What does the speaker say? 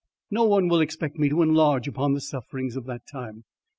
No one will expect me to enlarge upon the sufferings of that time.